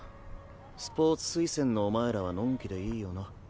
スポーツ推薦のお前らは呑気でいいよな。